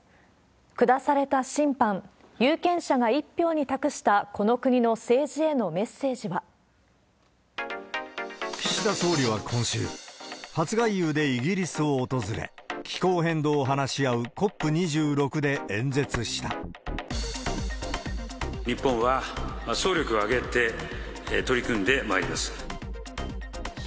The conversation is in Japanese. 下された審判、有権者が一票に託した、この国の政治へのメッセー岸田総理は今週、初外遊でイギリスを訪れ、気候変動を話し合うＣＯＰ２６で演説した。